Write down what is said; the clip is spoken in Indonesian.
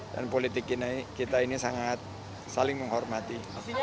dan politik kita ini sangat saling menghormati